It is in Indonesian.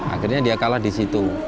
akhirnya dia kalah disitu